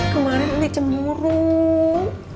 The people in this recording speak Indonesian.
kemarin ini cemurung